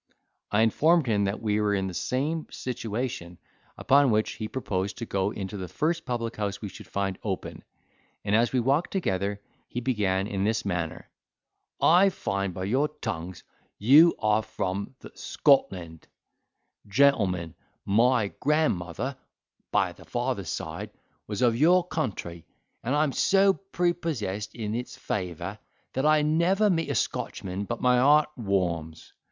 I informed him that we were in the same situation; upon which he proposed to go into the first public house we should find open; and as we walked together, he began in this manner: "I find by your tongues you are from Scotland, gentlemen; my grandmother by the father's side was of your country, and I am so prepossessed in its favour, that I never meet a Scotchman but my heart warms.